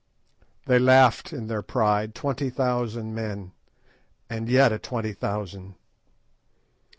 "They laughed in their pride, twenty thousand men, and yet a twenty thousand.